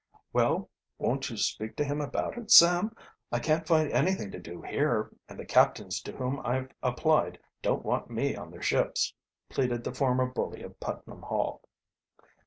"Well, won't you speak to him about it, Sam? I can't find anything to do here, and the captains to whom I've applied don't want me on their ships," pleaded the former bully of Putnam Hall.